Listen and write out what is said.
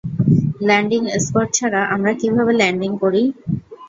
Landing spot ছাড়া আমরা কীভাবে ল্যান্ডিং করি?